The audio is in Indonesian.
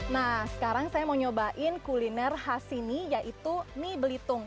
nah sekarang saya mau nyobain kuliner khas sini yaitu mie belitung